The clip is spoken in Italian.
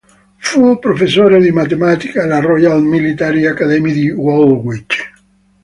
Fu professore di matematica alla Royal Military Academy di Woolwich.